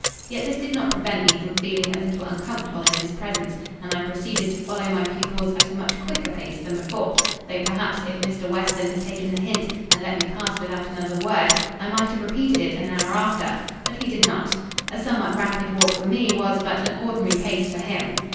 Yet this did not prevent me from feeling a little uncomfortable in his presence; and I proceeded to follow my pupils at a much quicker pace than before; though, perhaps, if Mr. Weston had taken the hint, and let me pass without another word, I might have repeated it an hour after: but he did not. A somewhat rapid walk for me was but an ordinary pace for him.